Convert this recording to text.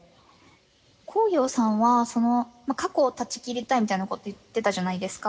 こうようさんは過去を断ち切りたいみたいなこと言ってたじゃないですか。